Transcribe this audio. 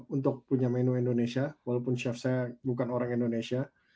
untuk punya menu indonesia walaupun chef saya bukan orang indonesia